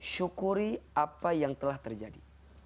syukuri apa yang telah terjadi